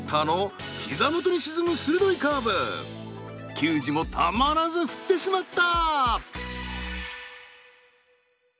球児もたまらず振ってしまった。